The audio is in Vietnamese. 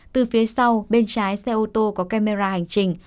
từ phía sau bên trái xe ô tô có camera hành trình